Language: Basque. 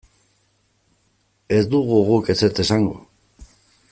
Ez dugu guk ezetz esango.